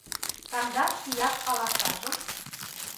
Кандаш ияш алашажым